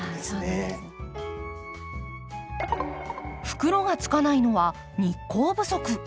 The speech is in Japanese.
袋がつかないのは日光不足。